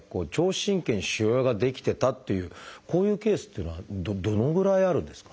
神経に腫瘍が出来てたっていうこういうケースっていうのはどのぐらいあるんですか？